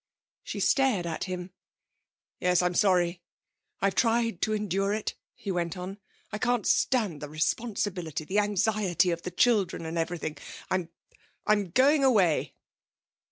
She stared at him. 'Yes, I'm sorry, I've tried to endure it,' he went on. 'I can't stand the responsibility, the anxiety of the children and everything. I'm I'm going away.'